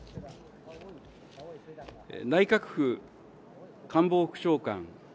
内閣府官房副長官。